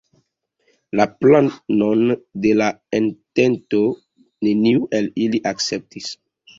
La planon de la entento neniu el ili akceptis.